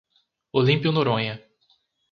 Olímpio Noronha